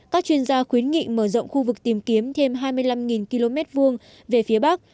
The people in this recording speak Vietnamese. các chuyên gia khuyến nghị mở rộng khu vực tìm kiếm thêm hai mươi năm km hai về phía bắc